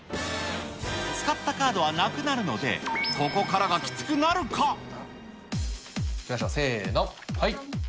使ったカードはなくなるので、いきましょう、せーの、はい。